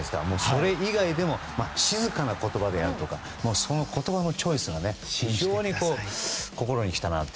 それ以外でも静かな言葉であるとかその言葉のチョイスが非常に心に来たなと。